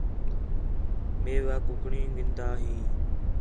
میوا کُکڑیں گِھندا ہیں